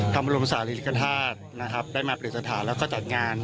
พระบรมศาสตร์ฤริกษาธาตุได้มาเปลี่ยนสถานที่แล้วก็จัดงาน